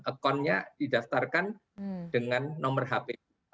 accountnya didaftarkan dengan nomor hp